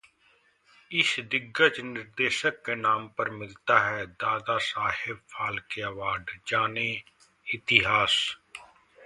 इस दिग्गज निर्देशक के नाम पर मिलता है दादासाहेब फाल्के अवॉर्ड, जानें इतिहास